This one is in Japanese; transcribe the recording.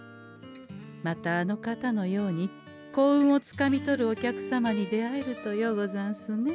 またあの方のように幸運をつかみ取るお客様に出会えるとようござんすね。